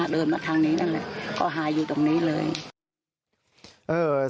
กินแบบมันคืน